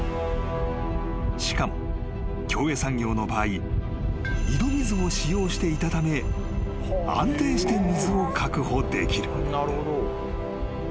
［しかも協栄産業の場合井戸水を使用していたため安定して水を確保できる］